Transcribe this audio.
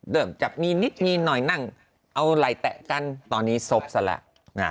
เริ่มจะมีนิดมีหน่อยนั่งเอาไหล่แตะกันตอนนี้ศพซะแล้ว